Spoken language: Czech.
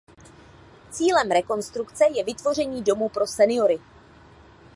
Cílem rekonstrukce je vytvoření domu pro seniory.